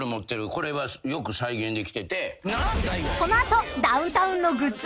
これはよく再現できてて。